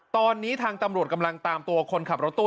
ตอนนี้ทางตำรวจกำลังตามตัวคนขับรถตู้